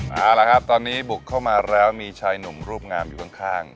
เอาละครับตอนนี้บุกเข้ามาแล้วมีชายหนุ่มรูปงามอยู่ข้าง